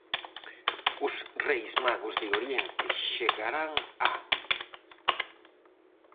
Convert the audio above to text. Os Reis Magos de Oriente chegarán a: